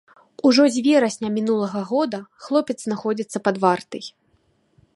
Ужо з верасня мінулага года хлопец знаходзіцца пад вартай.